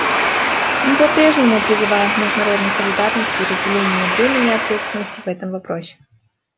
Мы по-прежнему призываем к международной солидарности и разделению бремени ответственности в этом вопросе.